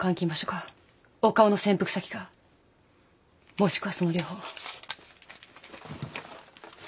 もしくはその両方。